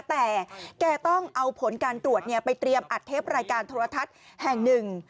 แต่แกต้องเอาผลการตรวจไปเตรียมอัดเทปรายการโทรทัศน์แห่งหนึ่ง